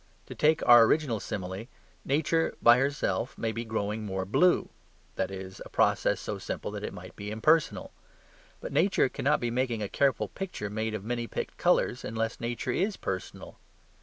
To take our original simile: Nature by herself may be growing more blue; that is, a process so simple that it might be impersonal. But Nature cannot be making a careful picture made of many picked colours, unless Nature is personal.